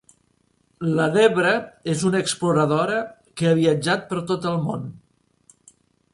La Debra és una exploradora que ha viatjat per tot el món.